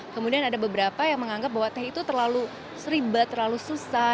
kemudian ada beberapa yang menganggap bahwa teh itu terlalu ribet terlalu susah